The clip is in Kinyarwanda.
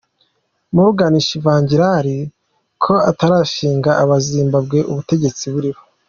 Morgan Chivangalai ko atarangisha abazimbabwe ubutegetsi buriho?